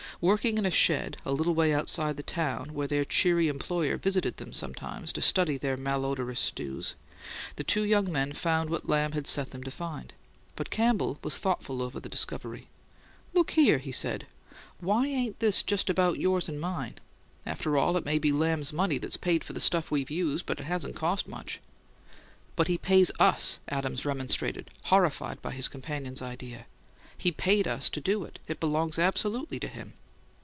Working in a shed a little way outside the town, where their cheery employer visited them sometimes to study their malodorous stews, the two young men found what Lamb had set them to find. But Campbell was thoughtful over the discovery. "Look here," he said. "Why ain't this just about yours and mine? After all, it may be Lamb's money that's paid for the stuff we've used, but it hasn't cost much." "But he pays US," Adams remonstrated, horrified by his companion's idea. "He paid us to do it. It belongs absolutely to him."